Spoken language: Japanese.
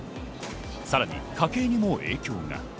さらに家計にも影響が。